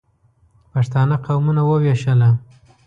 پښتانه قومونه ووېشله.